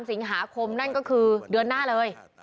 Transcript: สิงหาคมนั่นก็คือเดือนหน้าเลย